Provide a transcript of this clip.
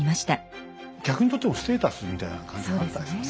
客にとってもステータスみたいな感じがあったんですかね。